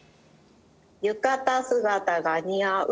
「浴衣姿が似合う」。